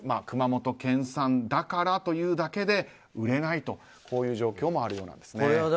熊本県産だからというだけで売れないという状況もあるようなんです。